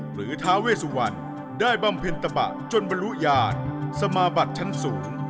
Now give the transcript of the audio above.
หรือทาเวชวัลได้บำพินตบะจนบรุญญาณสมบัติชั้นศูนย์